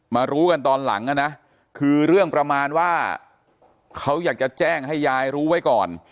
รู้กันตอนหลังนะคือเรื่องประมาณว่าเขาอยากจะแจ้งให้ยายรู้ไว้ก่อน